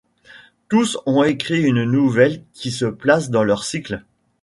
Tous ont écrit une nouvelle qui se place dans leur cycle.